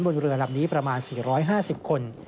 บนเรือลำนี้ประมาณ๔๕๐คน